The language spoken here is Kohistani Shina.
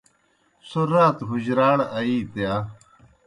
څھوْ رات حُجراڑ آیِیت یا؟